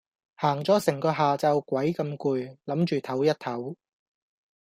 行咗成個下晝鬼咁攰諗住抖一抖